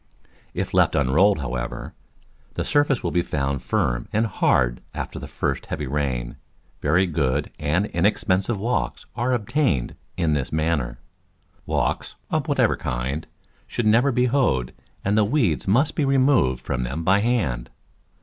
If left unrolled, however, the surface will be found firm and hard after the first heavy rain. Very good and inexpensive walks are obtained in this man ner. Walks, of whatever kind, should never be hoed, and the weeds must be removed from them by hand.